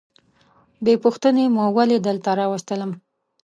بې پوښتنې مو ولي دلته راوستلم؟